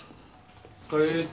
お疲れっす。